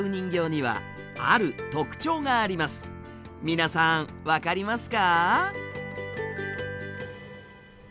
皆さん分かりますか？